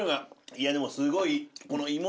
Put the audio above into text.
いやでもすごい。